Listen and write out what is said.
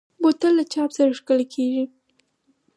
بوتل له چاپ سره ښکلي کېږي.